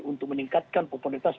untuk meningkatkan kualitas